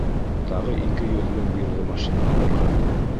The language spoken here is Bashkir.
Тағы ике йөҙ мең бирҙе машина алырға.